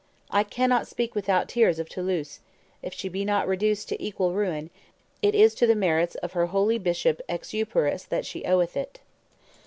I cannot speak without tears of Toulouse; if she be not reduced to equal ruin, it is to the merits of her holy Bishop Exuperus that she oweth it."